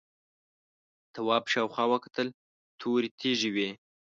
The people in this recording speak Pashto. تواب شاوخوا وکتل تورې تیږې وې.